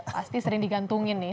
pasti sering digantungin nih